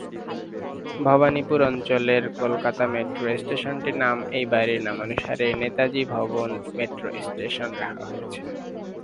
ভবানীপুর অঞ্চলের কলকাতা মেট্রো স্টেশনটির নাম এই বাড়ির নামানুসারে "নেতাজি ভবন মেট্রো স্টেশন" রাখা হয়েছে।